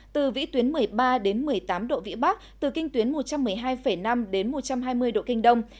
từ vĩ tuyến một mươi ba đến một mươi tám độ vĩ bắc từ kinh tuyến một trăm một mươi hai năm đến một trăm hai mươi độ kinh đông